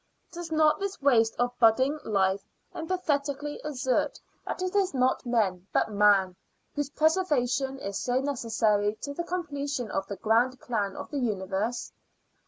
Does not this waste of budding life emphatically assert that it is not men, but Man, whose preservation is so necessary to the completion of the grand plan of the universe?